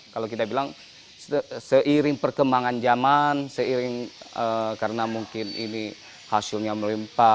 kalau kita bilang seiring perkembangan zaman seiring karena mungkin ini hasilnya melimpa